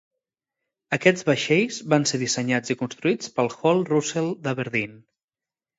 Aquests vaixells van ser dissenyats i construïts pel Hall Russell d'Aberdeen.